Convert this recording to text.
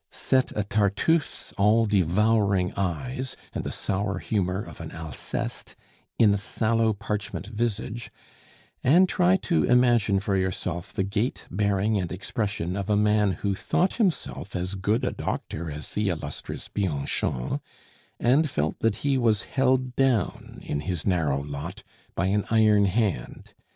Set a Tartuffe's all devouring eyes, and the sour humor of an Alceste in a sallow parchment visage, and try to imagine for yourself the gait, bearing, and expression of a man who thought himself as good a doctor as the illustrious Bianchon, and felt that he was held down in his narrow lot by an iron hand.